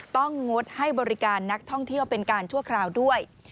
งดให้บริการนักท่องเที่ยวเป็นการชั่วคราวด้วย